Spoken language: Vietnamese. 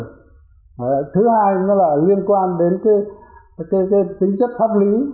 thứ hai nó là liên quan đến cái tính chất pháp lý